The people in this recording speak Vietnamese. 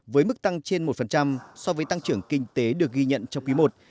với mức tăng trên một so với tăng trưởng kinh tế được ghi nhận trong quý i